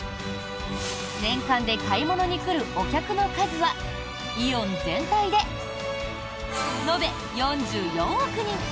年間で買い物に来るお客の数はイオン全体で、延べ４４億人。